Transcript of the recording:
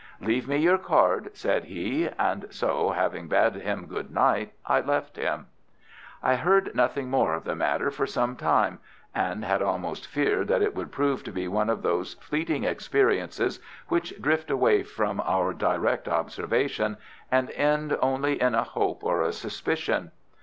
"Leave me your card," said he; and so, having bade him "good night," I left him. I heard nothing more of the matter for some time, and had almost feared that it would prove to be one of those fleeting experiences which drift away from our direct observation and end only in a hope or a suspicion.